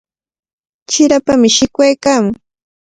Chirapami shikwaykaamun.